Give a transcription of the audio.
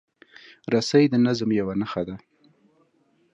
رسۍ د نظم یوه نښه ده.